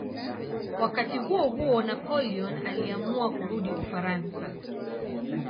Wakati huohuo Napoleon aliamua kurudi Ufaransa.